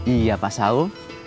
iya pak saul